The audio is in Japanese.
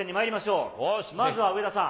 まずは上田さん。